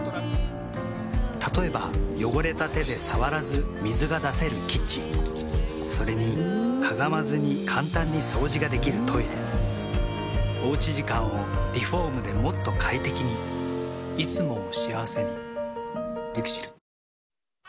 例えば汚れた手で触らず水が出せるキッチンそれにかがまずに簡単に掃除ができるトイレおうち時間をリフォームでもっと快適にいつもを幸せにＬＩＸＩＬ。